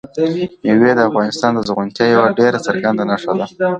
مېوې د افغانستان د زرغونتیا یوه ډېره څرګنده نښه ده.